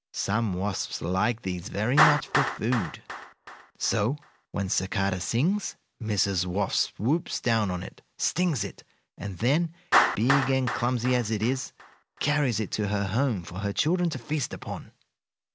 Some wasps like these very much for food. So, when cicada sings, Mrs. Wasp swoops down on it, stings it, and then, big and clumsy as it is, carries it to her home for her children to feast upon."